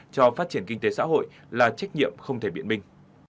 cho phát triển kinh tế xã hội là trách nhiệm không thể biện minh